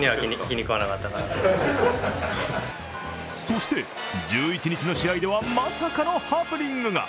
そして１１日の試合ではまさかのハプニングが。